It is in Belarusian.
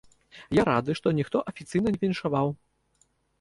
Я рады, што ніхто афіцыйна не віншаваў.